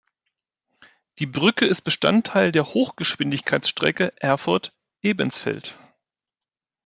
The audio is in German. Die Brücke ist Bestandteil der Hochgeschwindigkeitsstrecke Erfurt-Ebensfeld.